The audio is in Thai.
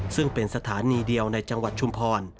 ซึ่งเป็นสถานีเดียวในจังหวัดชุมพร